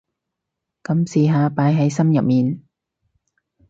噉試下擺喺心入面